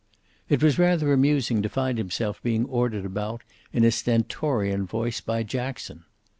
It was rather amusing to find himself being ordered about, in a stentorian voice, by Jackson.